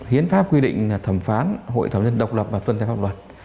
hiến pháp quy định là thẩm phán hội thẩm nhân độc lập và tổ chức tòa án